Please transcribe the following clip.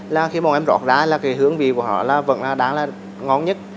là khi bọn em rót ra là cái hương vị của họ là vẫn đáng là ngon nhất